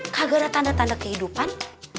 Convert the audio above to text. kagak ada tanda tanda kehidupan